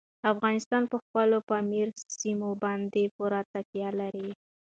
افغانستان په خپلو پامیر سیمو باندې پوره تکیه لري.